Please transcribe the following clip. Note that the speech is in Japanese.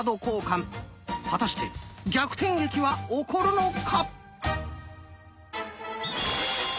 果たして逆転劇は起こるのか？